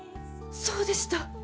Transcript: そうでした！